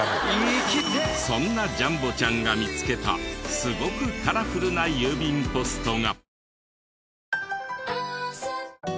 そんなじゃんぼちゃんが見つけたすごくカラフルな郵便ポストが。